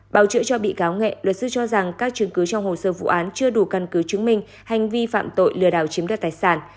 bào chữa cho bị cáo nghệ luật sư cho rằng các chứng cứ trong hồ sơ vụ án chưa đủ căn cứ chứng minh hành vi phạm tội lừa đảo chiếm đoạt tài sản